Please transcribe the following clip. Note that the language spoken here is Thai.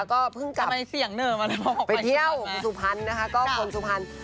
ก็เพิ่งกลับไปเที่ยวสุพรรณนะคะก็คนสุพรรณ